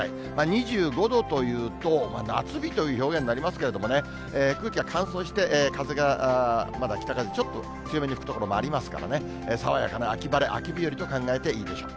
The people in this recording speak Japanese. ２５度というと、夏日という表現になりますけれどもね、空気が乾燥して、風が、まだ北風、ちょっと強めに吹く所もありますからね、爽やかな秋晴れ、秋日和と考えていいでしょう。